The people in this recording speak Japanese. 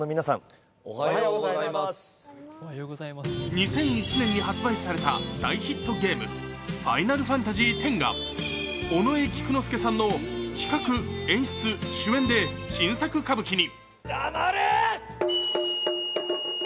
２００１年に発売された大ヒットゲーム「ファイナルファンタジーⅩ」が尾上菊之助さんの企画・演出・主演で新作歌舞伎に。